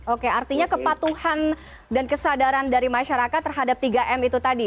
oke artinya kepatuhan dan kesadaran dari masyarakat terhadap tiga m itu tadi